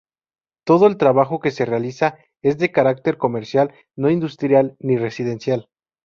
Todo el trabajo que se realiza es de carácter comercial, no industrial ni residencial.